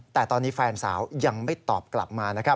แต่ตอนนี้แฟนสาวยังไม่ตอบกลับมานะครับ